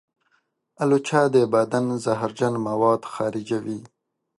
الوچه د بدن زهرجن مواد خارجوي.